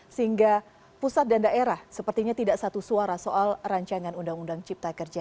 sehingga pusat dan daerah sepertinya tidak satu suara soal rancangan undang undang cipta kerja